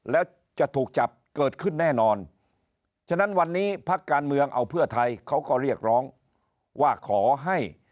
แล้วจะถูกจับเกิดขึ้นแน่นอนฉะนั้นวันนี้พักการเมืองเอาเพื่อไทยเขาก็เรียกร้องว่าขอให้